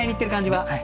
はい。